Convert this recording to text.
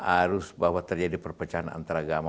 arus bahwa terjadi perpecahan antaragama